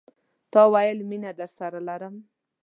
تا ويل، میینه درسره لرم